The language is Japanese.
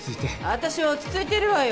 私は落ち着いてるわよ。